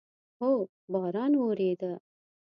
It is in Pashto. هو، باران اوورېدو